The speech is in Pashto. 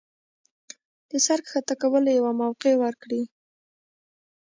د سر ښکته کولو يوه موقع ورکړي